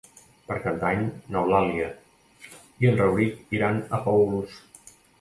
Per Cap d'Any n'Eulàlia i en Rauric iran a Paüls.